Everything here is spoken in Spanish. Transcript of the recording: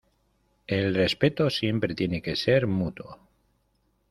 El respeto siempre tiene que ser mutuo.